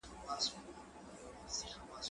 کېدای سي سیر اوږد وي!.